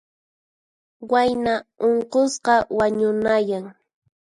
Wayna unqusqa wañunayan.